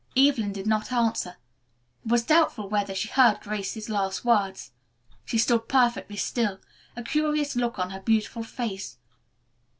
Evelyn did not answer. It was doubtful whether she heard Grace's last words. She stood perfectly still, a curious look on her beautiful face.